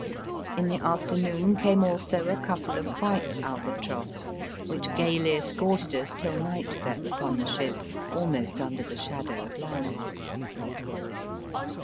In the afternoon came also a couple of white albatross, which gaUy escorted us till night fell upon the ship almost under the shadow of land.